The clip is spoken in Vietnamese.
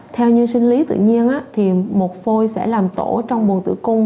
theo như sinh lý tự nhiên thì một phôi sẽ làm tổ trong bồn tử cung